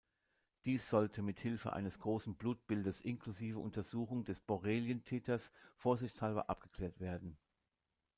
Dies sollte mithilfe eines großen Blutbildes inklusive Untersuchung des Borrelien-Titers vorsichtshalber abgeklärt werden.